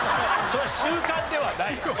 それは習慣ではないよ。